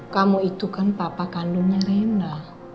kamu itu kan papa kandungnya rena